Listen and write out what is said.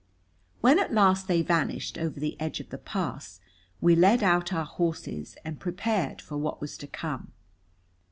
When at last they vanished over the edge of the pass, we led out our horses and prepared for what was to come.